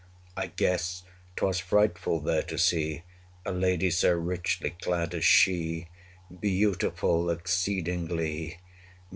65 I guess, 'twas frightful there to see A lady so richly clad as she Beautiful exceedingly!